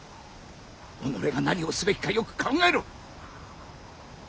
己が何をすべきかよく考えろ！